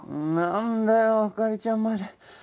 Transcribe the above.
なんだよ灯ちゃんまで。